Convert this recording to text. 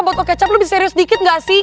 boto kecap lu bisa serius sedikit gak sih